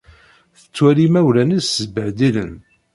Tettwali imawlan-nnes sbehdilen.